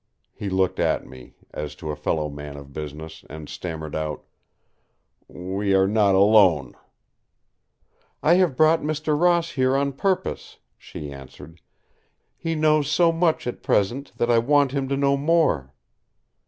He looked at me, as to a fellow man of business, and stammered out: "We are not alone." "I have brought Mr. Ross here on purpose," she answered. "He knows so much at present, that I want him to know more."